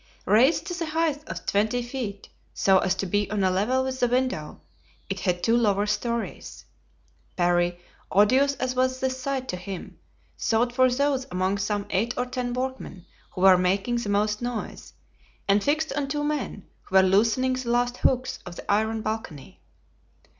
Raised to the height of twenty feet, so as to be on a level with the window, it had two lower stories. Parry, odious as was this sight to him, sought for those among some eight or ten workmen who were making the most noise; and fixed on two men, who were loosening the last hooks of the iron balcony.